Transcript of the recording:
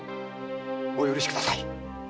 お許しください。